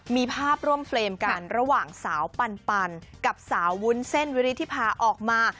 มีภาพร่วมเฟรมกันระหว่างสาวปันกับสาววุ้นเส้นวิริธิพาออกมา